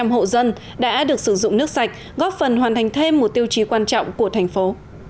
một trăm linh hộ dân đã được sử dụng nước sạch góp phần hoàn thành thêm một tiêu chí quan trọng của thành phố